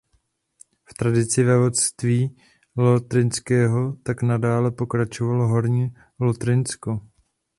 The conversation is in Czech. V tradici vévodství lotrinského tak nadále pokračovalo Horní Lotrinsko.